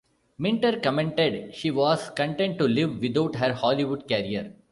Minter commented she was content to live without her Hollywood career.